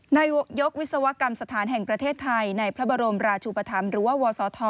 นายกวิศวกรรมสถานแห่งประเทศไทยในพระบรมราชุปธรรมหรือว่าวศธ